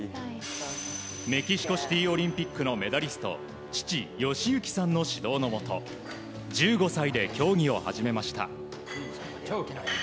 メキシコシティオリンピックのメダリスト、父・義行さんの指導のもと１５歳で競技を始めました。